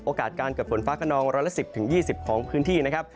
โอกาสการเกิดฝนฟ้ากระนองร้อยละ๑๐ถึง๒๐ของพื้นที่นะครับ